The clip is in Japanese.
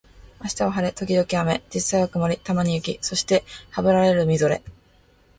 明日は晴れ、時々雨、実際は曇り、たまに雪、そしてハブられるみぞれ